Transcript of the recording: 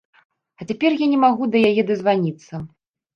А цяпер я не магу да яе дазваніцца.